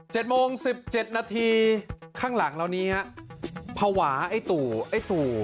โมงสิบเจ็ดนาทีข้างหลังเรานี้ฮะภาวะไอ้ตู่ไอ้ตู่